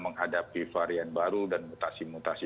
menghadapi varian baru dan mutasi mutasi